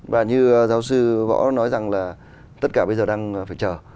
và như giáo sư võ nói rằng là tất cả bây giờ đang phải chờ